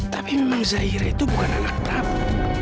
tapi memang zairah itu bukan anak prabu